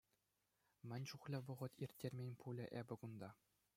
Мӗн чухлӗ вӑхӑт ирттермен пулӗ эпӗ кунта!